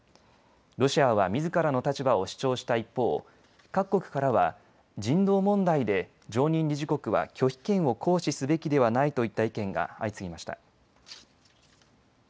ロシアはみずからの立場を主張した一方、各国からは人道問題で常任理事国は拒否権を行使すべきではないといった意見が相次ぎました。